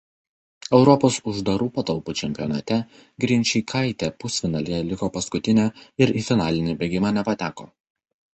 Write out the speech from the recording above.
Europos uždarų patalpų čempionate Grinčikaitė pusfinalyje liko paskutinė ir į finalinį bėgimą nepateko.